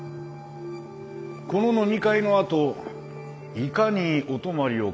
この飲み会のあといかにお泊まりを回避して家に帰るか。